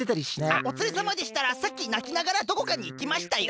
あっおつれさまでしたらさっきなきながらどこかにいきましたよ。